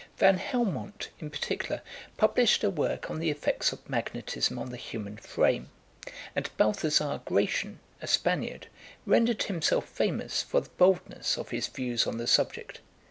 Van Helmont, in particular, published a work on the effects of magnetism on the human frame; and Balthazar Gracian, a Spaniard, rendered himself famous for the boldness of his views on the subject.